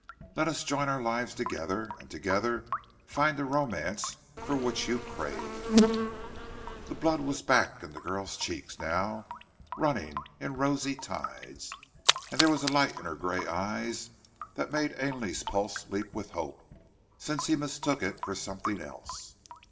Let us join our lives together, and together find the romance for which you crave." The blood was back in the girl's cheeks now, running in rosy tides, and there was a light in her grey eyes that made Ainley's pulse leap with hope, since he mistook it for something else.